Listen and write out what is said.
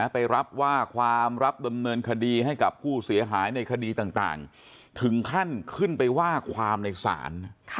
ไปรับว่าความรับดำเนินคดีให้กับผู้เสียหายในคดีต่างถึงขั้นขึ้นไปว่าความในศาล